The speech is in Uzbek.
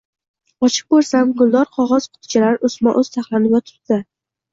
Ochib ko‘rsam, guldor qog‘oz qutichalar ustma-ust taxlanib yotibdi-da